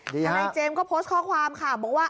ทนายเจมส์ก็โพสต์ข้อความค่ะบอกว่า